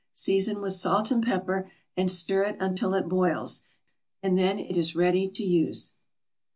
Season with salt and pepper, and stir it until it boils, and then it is ready to use.